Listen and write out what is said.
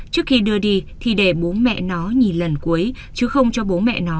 trước khi đưa đi thì để bố mẹ nó nhìn lần cuối chứ không cho bố mẹ nó